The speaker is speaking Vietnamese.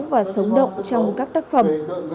và sống động trong các tác phẩm